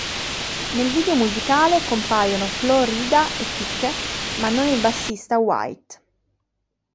Nel video musicale compaiono Flo Rida e Thicke, ma non il bassista White.